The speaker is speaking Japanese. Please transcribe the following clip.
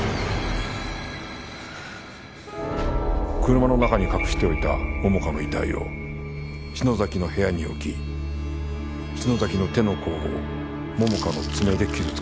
車の中に隠しておいた桃花の遺体を篠崎の部屋に置き篠崎の手の甲を桃花の爪で傷つけた。